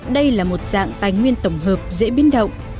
đây là một dạng tài nguyên tổng hợp dễ biến động